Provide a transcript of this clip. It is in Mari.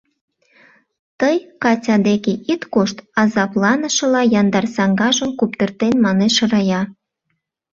— Тый Катя деке ит кошт, — азапланышыла яндар саҥгажым куптыртен, манеш Рая.